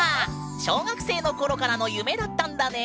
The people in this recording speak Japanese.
小学生の頃からの夢だったんだね。